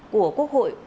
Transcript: của quốc hội